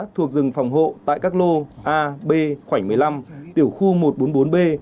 thuộc rừng phòng hộ tại các lô a b khoảnh một mươi năm tiểu khu một trăm bốn mươi bốn b